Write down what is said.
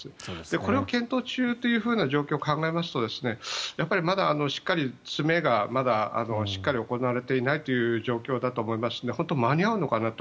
これを検討中という状況を考えますとやっぱりまだしっかり、詰めがまだしっかり行われていない状況だと思いますので本当に間に合うのかなと。